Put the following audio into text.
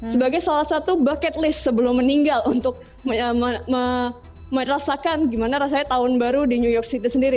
sebagai salah satu bucket list sebelum meninggal untuk merasakan gimana rasanya tahun baru di new york city sendiri